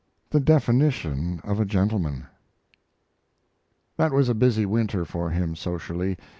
THE DEFINITION OF A GENTLEMAN That was a busy winter for him socially.